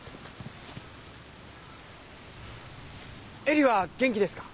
恵里は元気ですか？